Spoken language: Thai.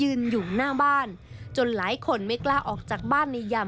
ได้นำเรื่องราวมาแชร์ในโลกโซเชียลจึงเกิดเป็นประเด็นอีกครั้ง